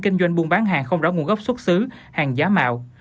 kinh doanh buôn bán hàng không rõ nguồn gốc xuất xứ hàng giá mạo